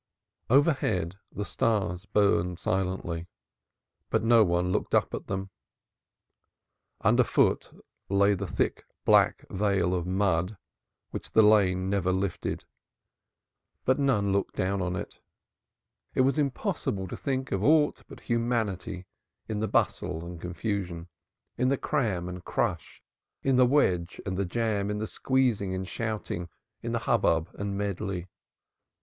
Overhead, the stars burned silently, but no one looked up at them. Underfoot, lay the thick, black veil of mud, which the Lane never lifted, but none looked down on it. It was impossible to think of aught but humanity in the bustle and confusion, in the cram and crush, in the wedge and the jam, in the squeezing and shouting, in the hubbub and medley.